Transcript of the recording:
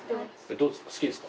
どうですか？